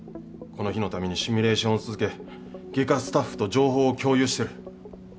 この日のためにシミュレーションを続け外科スタッフと情報を共有してる。